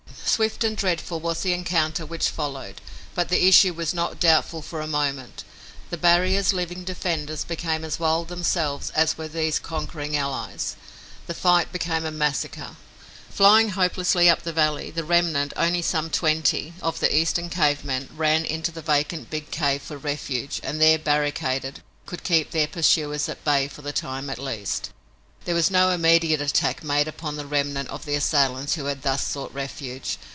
Swift and dreadful was the encounter which followed, but the issue was not doubtful for a moment. The barrier's living defenders became as wild themselves as were these conquering allies. The fight became a massacre. Flying hopelessly up the valley, the remnant, only some twenty, of the Eastern cave men ran into the vacant big cave for refuge and there, barricaded, could keep their pursuers at bay for the time at least. There was no immediate attack made upon the remnant of the assailants who had thus sought refuge.